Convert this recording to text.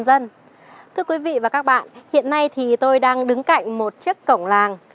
xin chào các bạn hiện nay thì tôi đang đứng cạnh một chiếc cổng làng